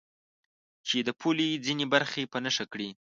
چې د پولې ځینې برخې په نښه کړي.